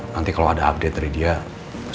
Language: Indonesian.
nanti kalau ada update dari dia saya kasih tau kamu